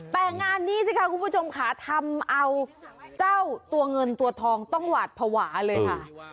แต่งานนี้สิคะคุณผู้ชมค่ะทำเอาเจ้าตัวเงินตัวทองต้องหวาดภาวะเลยค่ะ